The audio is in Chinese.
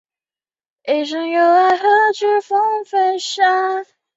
我们赶快冲去买吃的